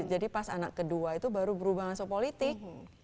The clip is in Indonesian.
jadi pas anak kedua itu baru berubah masuk politik